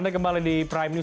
anda kembali di prime news